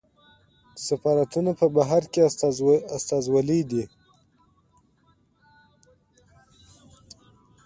سفارتونه په بهر کې استازولۍ دي